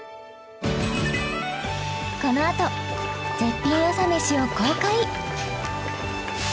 このあと絶品朝メシを公開